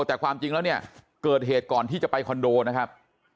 แต่ความจริงแล้วเนี่ยเกิดเหตุก่อนที่จะไปคอนโดนะครับ